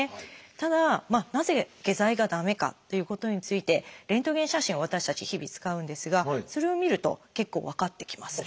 ただなぜ下剤が駄目かっていうことについてレントゲン写真を私たち日々使うんですがそれを見ると結構分かってきます。